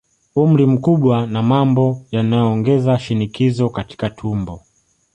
Umri mkubwa na mambo yanayoongeza shinikizo katika tumbo